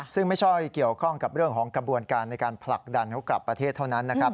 ซึ่งไม่ใช่เกี่ยวข้องกับเรื่องของกระบวนการในการผลักดันเขากลับประเทศเท่านั้นนะครับ